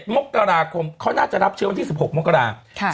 มกราคมเขาน่าจะรับเชื้อวันที่๑๖มกรา